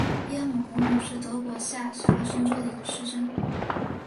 耶姆古姆是德国下萨克森州的一个市镇。